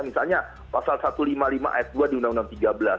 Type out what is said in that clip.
misalnya pasal satu ratus lima puluh lima ayat dua di undang undang tiga belas